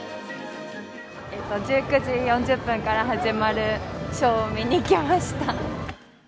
１９時４０分から始まるショーを見にきました。